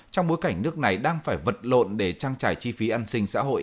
trong bối cảnh nước này đang phải vật lộn để trang trải chi phí an sinh xã hội